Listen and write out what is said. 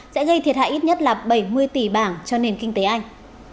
sẽ gây thiệt hại ít nhất là bảy mươi tỷ bảng cho nền kinh tế anh